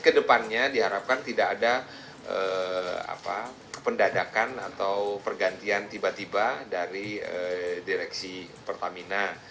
kedepannya diharapkan tidak ada pendadakan atau pergantian tiba tiba dari direksi pertamina